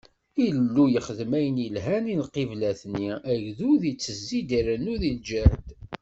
Illu yexdem ayen yelhan i lqiblat-nni, agdud ittzid irennu di lǧehd.